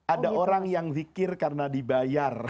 ada orang yang zikir karena dibayar